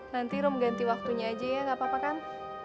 nanti rum ganti waktunya aja ya gapapa kan